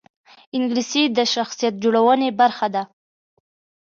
انګلیسي د شخصیت جوړونې برخه ده